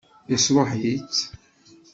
Yesṛuḥ-itt?